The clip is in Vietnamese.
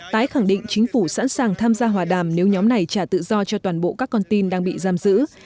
tái khẳng định chính phủ sẵn sàng tham gia hòa đàm nếu nhóm này trả tự do cho toàn bộ các con tin đang bị giam giữ